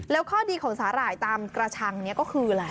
แล้วข้อดีของสาหร่ายตามกระชังนี้ก็คืออะไร